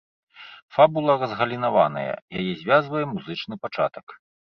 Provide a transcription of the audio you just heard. Фабула разгалінаваная, яе звязвае музычны пачатак.